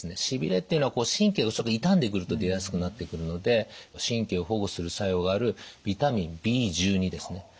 しびれっていうのは神経が傷んでくると出やすくなってくるので神経を保護する作用があるビタミンＢですね。